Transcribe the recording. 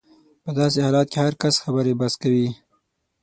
په داسې حالت کې هر کس خبرې بس کوي.